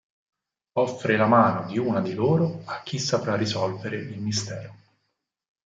Offre la mano di una di loro a chi saprà risolvere il mistero.